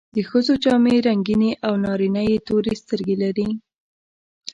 د ښځو جامې رنګینې او نارینه یې تورې سترګې لري.